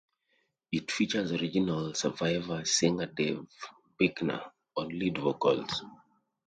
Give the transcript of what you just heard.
It features original Survivor singer Dave Bickler on lead vocals.